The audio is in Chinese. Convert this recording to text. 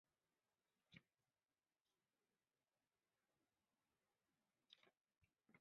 其作词家的身份获得极高的评价。